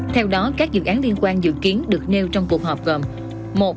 theo đó các dự án liên quan dự kiến được nêu trong cuộc họp gồm